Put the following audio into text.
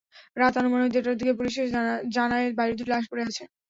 রাত আনুমানিক দেড়টার দিকে পুলিশ এসে জানায় বাইরে দুটি লাশ পড়ে আছে।